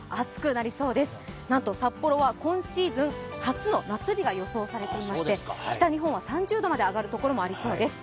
なんと札幌は今シーズン初の夏日が予想されていまして北日本は３０度まで上がる所もありそうです。